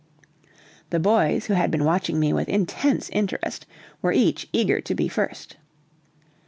The boys, who had been watching me with intense interest, were each eager to be first.